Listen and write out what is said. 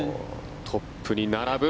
トップに並ぶ。